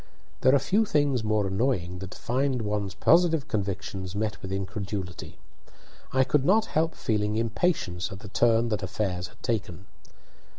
There are few things more annoying than to find one's positive convictions met with incredulity. I could not help feeling impatience at the turn that affairs had taken.